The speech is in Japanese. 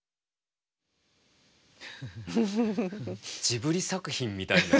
ジブリ作品みたいな。